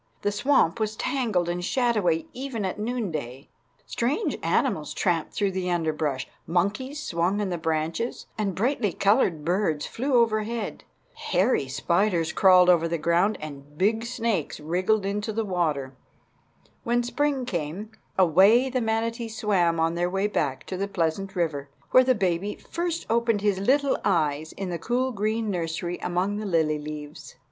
The swamp was tangled and shadowy even at noonday. Strange animals tramped through the underbrush; monkeys swung on the branches, and brightly colored birds flew overhead. Hairy spiders crawled over the ground, and big snakes wriggled into the water. When spring came, away the manatees swam on their way back to the pleasant river, where the baby first opened his little eyes in the cool green nursery among the lily leaves.